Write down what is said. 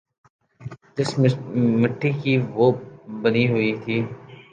جس مٹی کی وہ بنی ہوئی تھیں۔